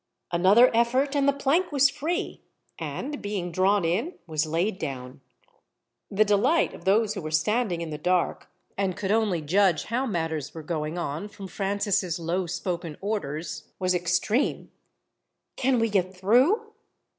Another effort, and the plank was free, and, being drawn in, was laid down. The delight of those who were standing in the dark, and could only judge how matters were going on from Francis's low spoken orders, was extreme. "Can we get through?"